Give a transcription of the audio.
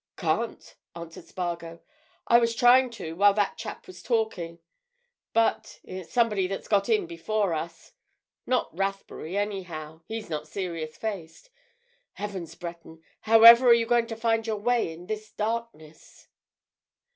"Can't," answered Spargo. "I was trying to, while that chap was talking. But—it's somebody that's got in before us. Not Rathbury, anyhow—he's not serious faced. Heavens, Breton, however are you going to find your way in this darkness?"